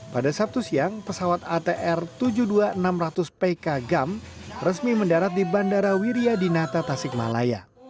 pada sabtu siang pesawat atr tujuh puluh dua enam ratus pk gam resmi mendarat di bandara wiryadinata tasikmalaya